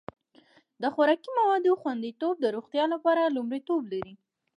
د خوراکي موادو خوندیتوب د روغتیا لپاره لومړیتوب لري.